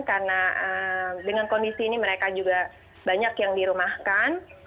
karena dengan kondisi ini mereka juga banyak yang dirumahkan